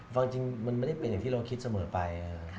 ความจริงมันไม่ได้เป็นอย่างที่เราคิดเสมอไป